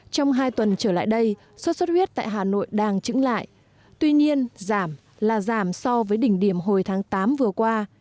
trong hai tuần trở lại đây xuất xuất huyết tại hà nội đang trứng lại tuy nhiên giảm là giảm so với đỉnh điểm hồi tháng tám vừa qua